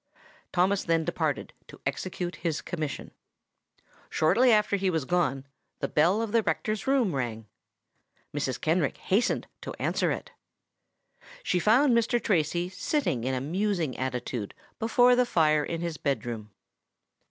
Thomas then departed to execute his commission. Shortly after he was gone, the bell of the rector's room rang. Mrs. Kenrick hastened to answer it. She found Mr. Tracy sitting in a musing attitude before the fire in his bed room.